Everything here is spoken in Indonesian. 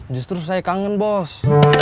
justru saya kangen bos